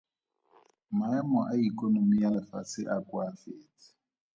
Maemo a ikonomi ya lefatshe a koafetse.